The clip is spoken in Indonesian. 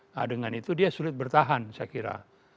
nah dengan itu dia sulit bertahan saya kira